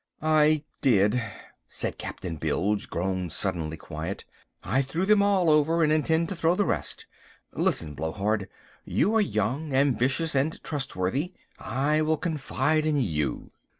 "I did," said Captain Bilge, grown suddenly quiet, "I threw them all over and intend to throw the rest. Listen, Blowhard, you are young, ambitious, and trustworthy. I will confide in you."